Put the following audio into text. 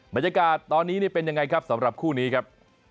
บรรยากาศตอนนี้เป็นยังไงครับสำหรับคู่นี้ครับ